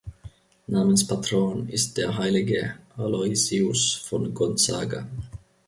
Namenspatron ist der heilige Aloisius von Gonzaga.